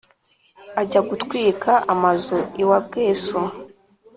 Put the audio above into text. ajya gutwika amazu iwa bweso.